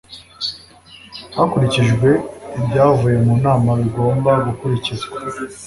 hakurikijwe ibyavuye mu nama bigomba gukurikizwa